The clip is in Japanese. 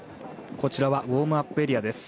こちらはウォームアップエリアです。